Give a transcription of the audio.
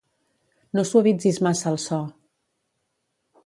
No suavitzis massa el so.